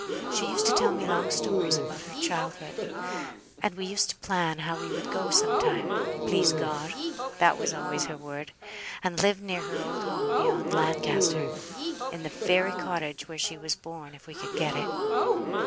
She used to tell me long stories about her childhood, and we used to plan how we would go sometime, please God (that was always her word), and live near her old home beyond Lancaster; in the very cottage where she was born if we could get it.